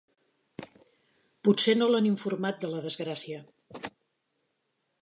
Potser no l'han informat de la desgràcia.